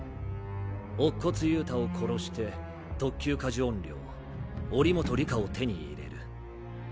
乙骨憂太を殺して特級過呪怨霊祈本里香を手に入れる。